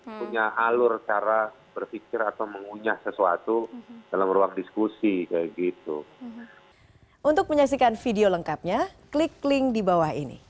punya alur cara berpikir atau mengunyah sesuatu dalam ruang diskusi kayak gitu